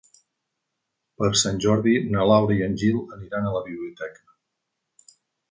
Per Sant Jordi na Laura i en Gil aniran a la biblioteca.